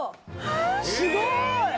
すごーい！